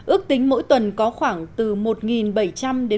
ước tính mỗi tuần có khoảng một trường hợp mắc sốt xuất huyết